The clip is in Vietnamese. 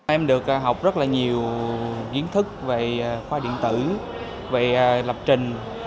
em được học rất là nhiều kiến thức về khoa điện tử về lập trình